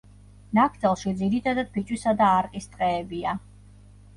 ნაკრძალში ძირითადად ფიჭვისა და არყის ტყეებია.